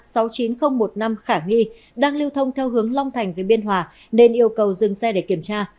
sau một năm khả nghi đang lưu thông theo hướng long thành với biên hòa nên yêu cầu dừng xe để kiểm tra